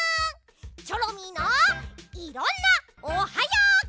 チョロミーのいろんなおはようクイズ！